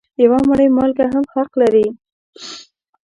یوه مړۍ مالګه هم حق لري.